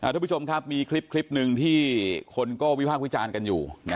ทุกผู้ชมครับมีคลิปหนึ่งที่คนก็วิพากษ์วิจารณ์กันอยู่